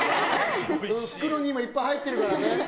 袋に今いっぱい入ってるからね。